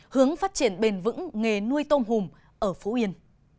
hướng phát triển bền vững nghề nuôi tôm hùm ở phú yên